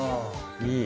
いい。